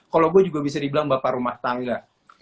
kalau gue juga bisa dibilang bapak rumah tangga